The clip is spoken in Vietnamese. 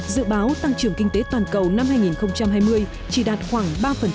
dự báo tăng trưởng kinh tế toàn cầu năm hai nghìn hai mươi chỉ đạt khoảng ba